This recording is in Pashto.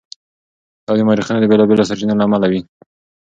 دا د مورخینو د بېلابېلو سرچینو له امله وي.